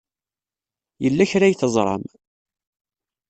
Yella kra ay teẓram.